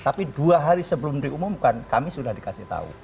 tapi dua hari sebelum diumumkan kami sudah dikasih tahu